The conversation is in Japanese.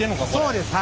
そうです。